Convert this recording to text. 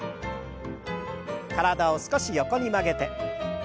体を少し横に曲げて。